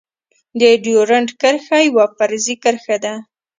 د ډيورند کرښه يوه فرضي کرښه ده.